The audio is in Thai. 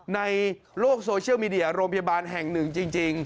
ในโลกโซเชียลมีเดียโรงพยาบาลแห่งหนึ่งจริง